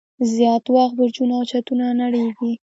زیات وخت برجونه او چتونه نړیږي.